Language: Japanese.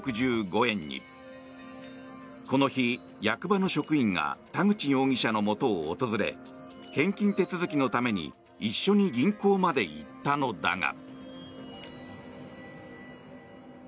この日、役場の職員が田口容疑者のもとを訪れ返金手続きのために一緒に銀行まで行ったのだが。